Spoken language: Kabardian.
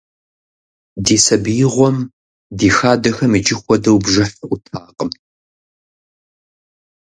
Ди сабиигъуэм ди хадэхэм иджы хуэдэу бжыхь Ӏутакъым.